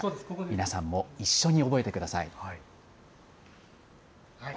皆さんも一緒に覚えてください。